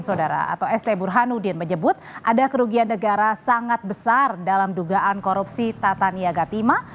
saudara atau st burhanuddin menyebut ada kerugian negara sangat besar dalam dugaan korupsi tata niaga tima